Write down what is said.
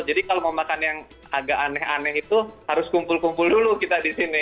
kalau mau makan yang agak aneh aneh itu harus kumpul kumpul dulu kita di sini